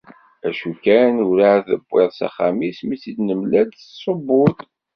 D acu kan, urɛad newwiḍ s axxam-is mi tt-id-nemlal tettṣubbu-d.